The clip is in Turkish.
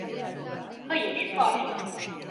Hayır, var.